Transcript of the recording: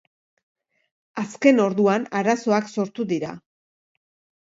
Azken orduan arazoak sortu dira.